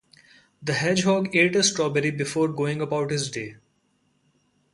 The hedgehog ate a strawberry before going about his day